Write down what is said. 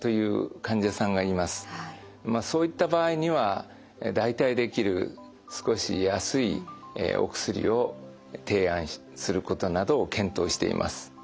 まあそういった場合には代替できる少し安いお薬を提案することなどを検討しています。